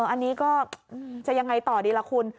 อันนี้ก็จะยังไงต่อดีล่ะคุณ